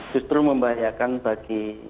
justru membahayakan bagi